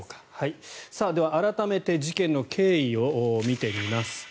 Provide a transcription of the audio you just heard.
では改めて事件の経緯を見てみます。